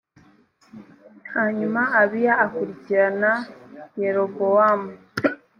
hanyuma abiya akurikirana yerobowamu